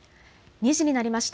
２時になりました。